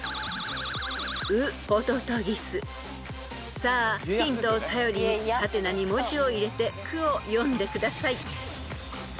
［さあヒントを頼りに「？」に文字を入れて句を詠んでください］